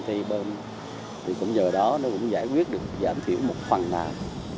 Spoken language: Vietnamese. thì bơm thì cũng nhờ đó giải quyết được giảm thiểu một phần nào